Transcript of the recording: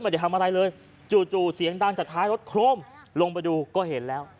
จะทำอะไรเลยจู่เสียงดังจากท้ายรถโครมลงไปดูก็เห็นแล้ว